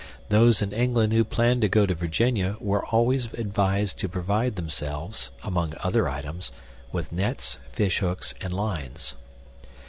Those in England who planned to go to Virginia were always advised to provide themselves (among other items) with nets, fishhooks, and lines.